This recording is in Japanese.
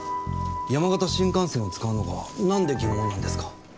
山形新幹線を使うのがなんで疑問なんですか？